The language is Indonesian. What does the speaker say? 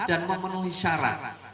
dan memenuhi syarat